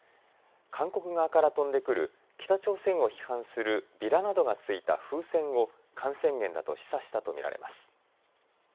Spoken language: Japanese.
韓国側から飛んでくる北朝鮮を批判するビラなどが付いた風船を感染源だと示唆したと見られます。